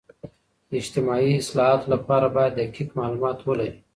د اجتماعي اصلاحاتو لپاره باید دقیق معلومات ولري.